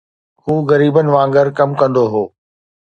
هو غريبن وانگر ڪم ڪندو هو